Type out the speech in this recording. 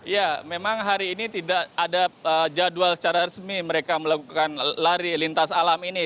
ya memang hari ini tidak ada jadwal secara resmi mereka melakukan lari lintas alam ini